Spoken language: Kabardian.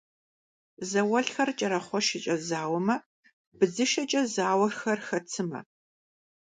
Зауэлӏхэр кӏэрахъуэшэкӏэ зауэмэ, быдзышэкӏэ зауэхэр хэт сымэ?